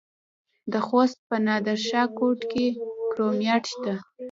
د خوست په نادر شاه کوټ کې کرومایټ شته.